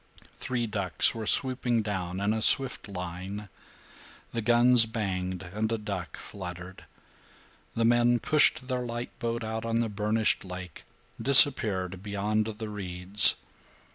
Three ducks were swooping down in a swift line. The guns banged, and a duck fluttered. The men pushed their light boat out on the burnished lake, disappeared beyond the reeds.